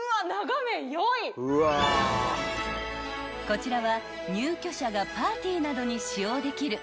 ［こちらは入居者がパーティーなどに使用できる］